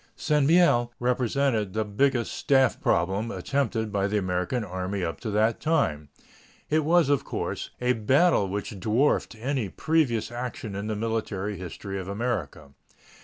St. Mihiel represented the biggest staff problem attempted by the American Army up to that time. It was, of course, a battle which dwarfed any previous action in the military history of America.